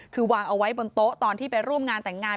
คือวางเอาไว้บนโต๊ะตอนที่ไปร่วมงานแต่งงาน